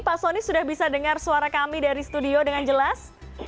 pak soni sudah bisa dengar suara kami dari studio dengan jelas